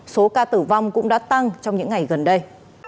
số ca tử vong cũng đã tăng trong những ngày gần đây